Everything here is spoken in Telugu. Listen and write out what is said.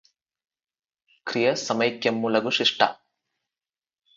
క్రియ సమైక్యమ్ములగు శిష్ట